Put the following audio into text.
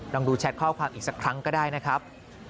ลองดูแชทข้อความอีกสักครั้งก็ได้นะครับ